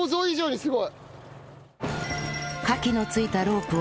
すごい！